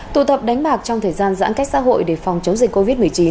tụ tập đánh bạc trong thời gian giãn cách xã hội để phòng chống dịch covid một mươi chín